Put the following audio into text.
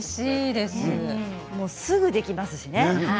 すぐにできますしね。